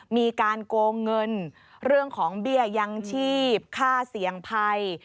มีการโกงเงินเรื่องของเบี้ยยังชีพค่าเสี่ยงภัย